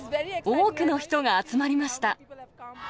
多くの人が集まりました。